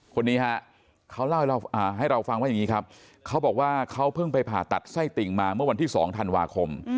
คนนี้ฮะเขาเล่าให้เราฟังว่าอย่างนี้ครับเขาบอกว่าเขาเพิ่งไปผ่าตัดไส้ติ่งมาเมื่อวันที่๒ธันวาคม